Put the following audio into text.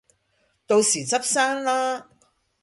到時執生啦